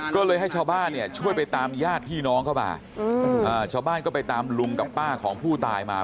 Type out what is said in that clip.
ก็เลยให้ชาวบ้านเนี่ยช่วยไปตามญาติพี่น้องเข้ามาชาวบ้านก็ไปตามลุงกับป้าของผู้ตายมา